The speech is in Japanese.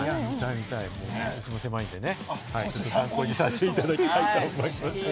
うちも狭いんでね、参考にさせていただきたいと思います。